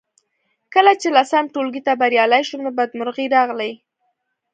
کله چې لسم ټولګي ته بریالۍ شوم نو بدمرغۍ راغلې